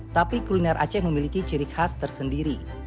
tapi kuliner aceh memiliki ciri khas tersendiri